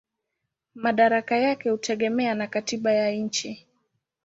Madaraka yake hutegemea na katiba ya nchi.